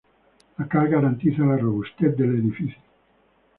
La cal garantiza la robustez del edificio.